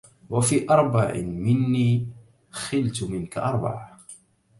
وفي أربع مني خلت منك أربع